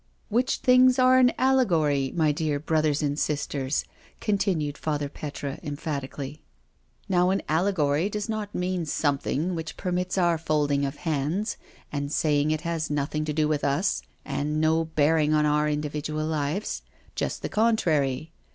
•••"" Which things are an allegory, my dear brothers and sisters," continued Father Petre emphatically. " Now an allegory does not mean something which per mits our folding our hands, and saying it has nothing to do with us, and no bearing on our individual lives — just the contrary.